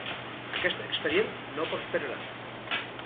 Aquest expedient no prosperà.